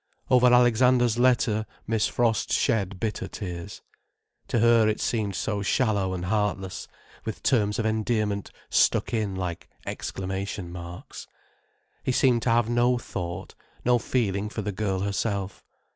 Over Alexander's letter Miss Frost shed bitter tears. To her it seemed so shallow and heartless, with terms of endearment stuck in like exclamation marks. He semed to have no thought, no feeling for the girl herself.